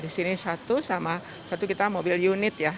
disini satu sama satu kita mobil unit ya